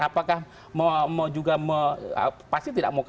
apakah juga pasti tidak mau kutipkan